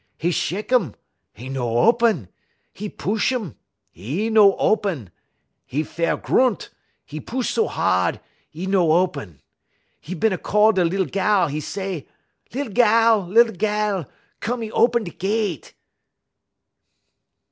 'E shek um, 'e no open; 'e push um, 'e no open; 'e fair grunt, 'e push so hard, 'e no open. 'E bin a call da lil gal; e' say: "'Lil gal, lil gal! cum y open da gett.